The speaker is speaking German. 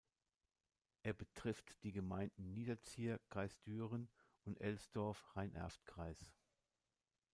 Er betrifft die Gemeinden Niederzier, Kreis Düren, und Elsdorf, Rhein-Erft-Kreis.